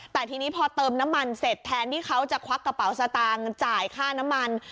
แต่ทีนี้พอเติมน้ำมันเสร็จแทนที่เขาจะควักกระเป๋าสตางค์จ่ายค่าน้ำมัน